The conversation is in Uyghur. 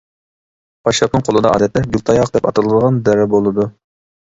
پاششاپنىڭ قولىدا ئادەتتە «گۈل تاياق» دەپ ئاتىلىدىغان دەررە بولىدۇ.